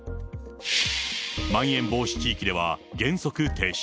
まん延防止地域では原則停止。